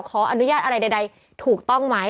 ขออนุญาตอะไรใดถูกต้องไหม